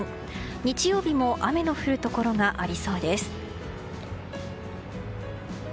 日曜日も雨の降るところがありそうです。